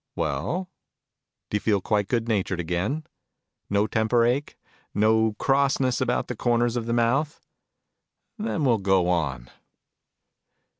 Well? Do you feel quite good natured again? No temper ache? No crossness about the corners of the mouth ? Then we'll go on.